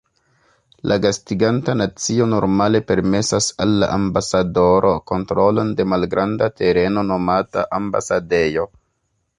La gastiganta nacio normale permesas al la ambasadoro kontrolon de malgranda tereno nomata ambasadejo.